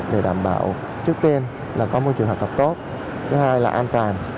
để đảm bảo trước tiên là có môi trường học tập tốt thứ hai là an toàn